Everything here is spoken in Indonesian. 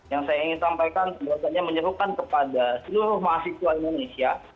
yang saya ingin sampaikan sebenarnya menyerukan kepada seluruh mahasiswa indonesia